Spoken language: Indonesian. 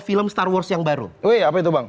film star wars yang baru wih apa itu bang